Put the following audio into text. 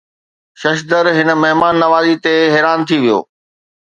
ششدر هن مهمان نوازي تي حيران ٿي ويو